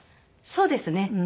そうですね。